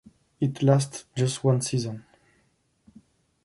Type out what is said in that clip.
It lasted just one season.